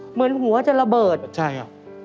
เหมือนหัวจะระเบิดใช่อ่ะ